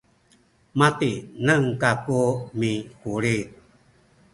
matineng kaku mikulit